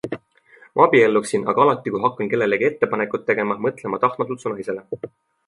Ma abielluksin, aga alati, kui hakkan kellelegi ettepanekut tegema, mõtlen ma tahtmatult su naisele.